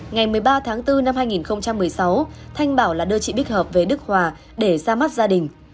ngày một mươi ba tháng bốn năm hai nghìn một mươi sáu thanh bảo là đưa chị bích hợp về đức hòa để ra mắt gia đình